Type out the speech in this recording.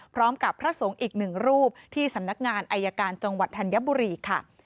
พร้อมกับพระสงฆ์อีกนึงรูปที่สำนักงานไออัยการจังหวัดธัญบุรีค่ะ